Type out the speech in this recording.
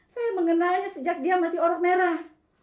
saya mengenalnya sejak dia masih orang merah